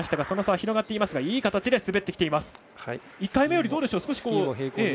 その差は広がっていますがいい形で滑ってきています。